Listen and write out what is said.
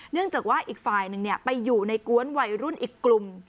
เนื่องจากว่าอีกฝ่ายหนึ่งไปอยู่ในกวนวัยรุ่นอีกกลุ่ม